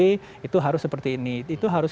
itu harus seperti ini itu harus